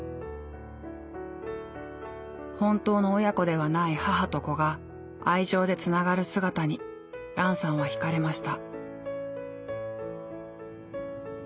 本当の親子ではない母と子が愛情でつながる姿にランさんは惹かれました。